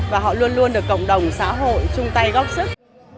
và họ luôn luôn được cộng đồng xã hội chung tay góp sức